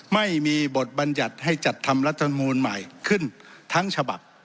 ไม่มีบทบัญญัติให้จัดทำรัฐมนูลใหม่ขึ้นทั้งฉบับ